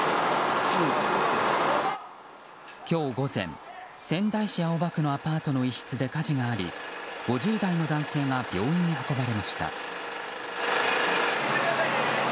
今日午前、仙台市青葉区のアパートの一室で火事があり５０代の男性が病院に運ばれました。